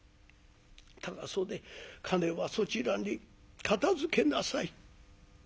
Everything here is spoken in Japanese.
違袖金はそちらに片づけなさい。